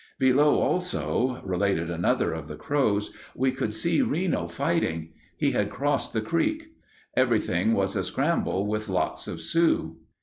Below also, related another of the Crows, "we could see Reno fighting. He had crossed the creek. Every thing was a scramble with lots of Sioux."